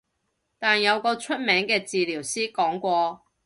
但有個出名嘅治療師講過